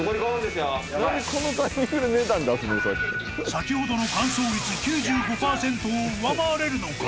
［先ほどの乾燥率９５％を上回れるのか？］